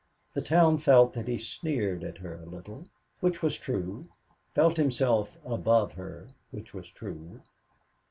The town felt that he sneered at her a little, which was true, felt himself "above her," which was true.